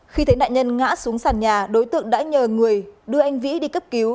khi thấy nạn nhân ngã xuống sàn nhà đối tượng đã nhờ người đưa anh vĩ đi cấp cứu